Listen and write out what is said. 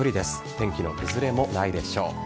天気の崩れもないでしょう。